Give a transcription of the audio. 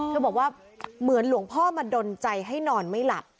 บอกว่าเหมือนหลวงพ่อมาดนใจให้นอนไม่หลับ